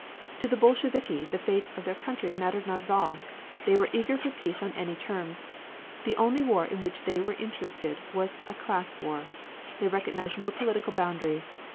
To the Bolsheviki the fate of their country mattered not at all. They were eager for peace on any terms. The only war in which they were interested was a class war; they recognized no political boundaries.